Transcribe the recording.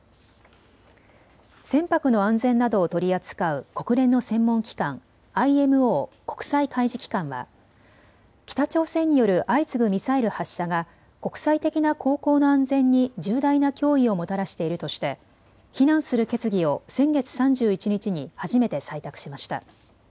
船舶の安全などを取り扱う国連の専門機関、ＩＭＯ・国際海事機関は北朝鮮による相次ぐミサイル発射が国際的な航行の安全に重大な脅威をもたらしているとして非難する決議を先月３１日に初めて採択しました。